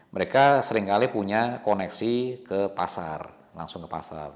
mereka seringkali punya koneksi ke pasar langsung ke pasar